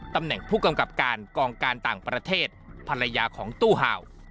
ตำแหน่งผู้กำกับการกองการต่างประเทศภรรยาของตู้เห่า